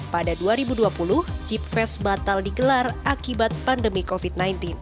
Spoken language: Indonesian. pada dua ribu dua puluh chipfest batal digelar akibat pandemi covid sembilan belas